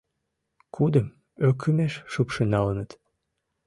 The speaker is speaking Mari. Кудым ӧкымеш шупшын налыныт.